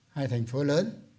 hai thành phố lớn